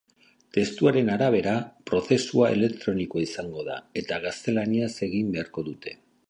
Testuaren arabera, prozesua elektronikoa izango da, eta gaztelaniaz egin beharko dute.